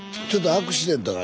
アクシデント？